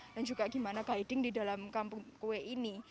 dan juga gimana guiding di dalam kampung kue ini